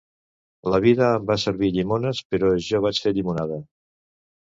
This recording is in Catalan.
La vida em va servir llimones, però jo vaig fer llimonada.